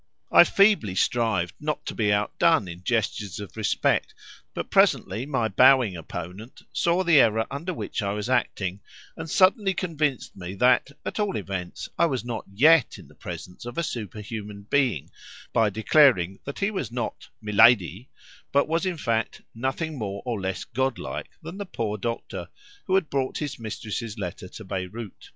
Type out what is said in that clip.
I feebly strived not to be outdone in gestures of respect; but presently my bowing opponent saw the error under which I was acting, and suddenly convinced me that, at all events, I was not yet in the presence of a superhuman being, by declaring that he was not "miladi," but was, in fact, nothing more or less god like than the poor doctor, who had brought his mistress's letter to Beyrout.